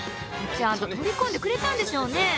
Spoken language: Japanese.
ちゃんと取り込んでくれたんでしょうね。